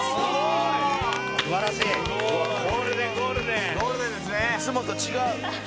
「いつもと違う」